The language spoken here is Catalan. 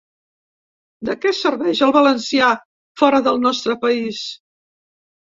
De què serveix el valencià fora del nostre país.